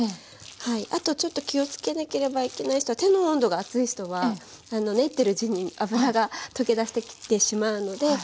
あとちょっと気をつけなければいけない人は手の温度が熱い人は練ってるうちに脂が溶けだしてきてしまうので素早く。